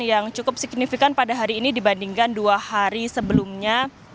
yang cukup signifikan pada hari ini dibandingkan dua hari sebelumnya